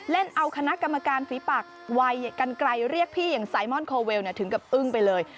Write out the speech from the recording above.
เล่นเอาคณะกรรมการฝีปากวัยกันไกลเรียกพี่อย่างไซมอนโคเวลถึงกับอึ้งไปเลย